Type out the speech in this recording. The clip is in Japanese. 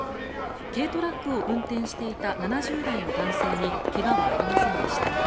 軽トラックを運転していた７０代の男性に怪我はありませんでした。